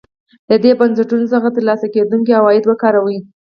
له دې بنسټونو څخه ترلاسه کېدونکي عواید وکاروي.